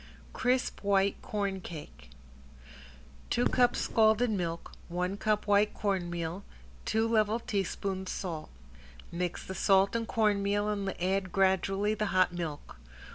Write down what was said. ~CRISP WHITE CORNCAKE~ Two cups scalded milk, one cup white cornmeal, two level teaspoons salt. Mix the salt and cornmeal and add gradually the hot milk.